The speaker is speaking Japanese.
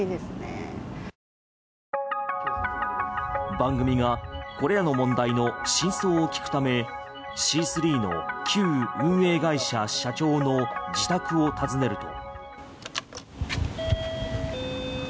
番組がこれらの問題の真相を聞くためシースリーの旧運営会社社長の自宅を訪ねると。